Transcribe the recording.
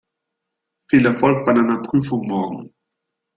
Viel Erfolg bei deiner Prüfung morgen!